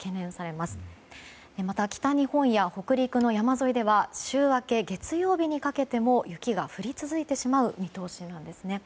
また、北日本や北陸の山沿いでは週明け月曜日にかけても雪が降り続いてしまう見通しです。